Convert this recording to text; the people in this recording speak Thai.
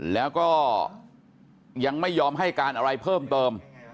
แล้วก็ยังไม่ยอมให้การอะไรเพิ่มเติม